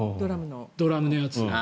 ドラムのやつ。